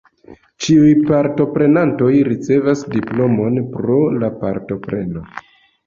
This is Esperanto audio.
Ĉiuj partoprenantoj ricevas diplomon pro la partopreno.